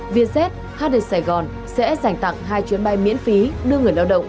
vietjet hd sài gòn sẽ dành tặng hai chuyến bay miễn phí đưa người lao động